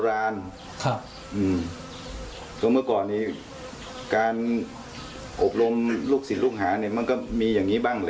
อัตตามากก็ยอมรับว่าอัตตามากก็จะใช้แบบ